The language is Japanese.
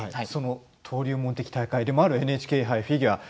登竜門的大会でもある「ＮＨＫ杯フィギュア」